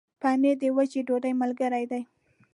پنېر د وچې ډوډۍ ملګری دی.